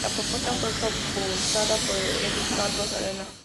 La propuesta fue propulsada por el edil Carlos Arena.